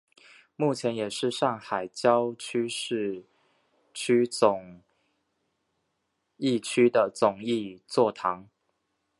目前也是上海教区市区总铎区的总铎座堂。